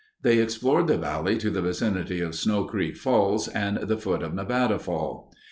They explored the valley to the vicinity of Snow Creek Falls and the foot of Nevada Fall.